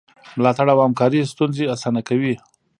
ملاتړ او همکاري ستونزې اسانه کوي.